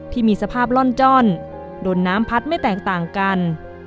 ที่มีสภาพล่อนจ้อนโดนน้ำพัดไม่แตกต่างกัน